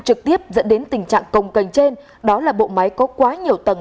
trực tiếp dẫn đến tình trạng công cành trên đó là bộ máy có quá nhiều tầng